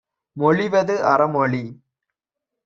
மொழிவது அற மொழி.